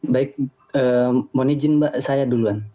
baik mohon izin mbak saya duluan